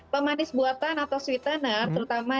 pemanis buatan atau switterner terutama